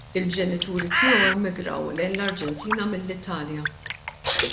Il-ġenituri tiegħu emigrew lejn l-Arġentina mill-Italja.